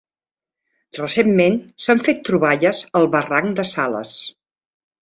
Recentment s'han fet troballes al Barranc de Sales.